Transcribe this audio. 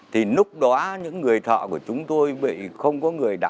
thì lúc đó những người thọ của chúng tôi bị không có người đóng